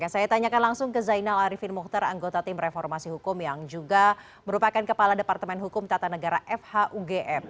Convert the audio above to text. saya tanyakan langsung ke zainal arifin muhtar anggota tim reformasi hukum yang juga merupakan kepala departemen hukum tata negara fhugm